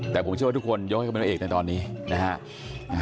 แต่ผมเชื่อว่าทุกคนย้อยมาเป็นพระเอกเนี่ยตอนนี้นะครับ